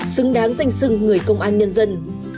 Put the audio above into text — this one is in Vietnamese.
xứng đáng danh sưng người công an nhân dân